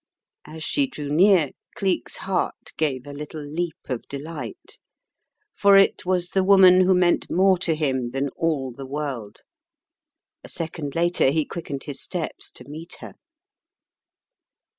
As she drew near, Cleek's heart gave a little leap of delight, for it was the woman who meant more to him than all the world. A second later he quickened his steps to meet her.